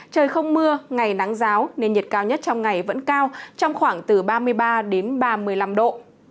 trời không mưa ngày nắng giáo nên nhiệt cao nhất trong ngày vẫn cao trong khoảng từ ba mươi ba đến ba mươi năm độ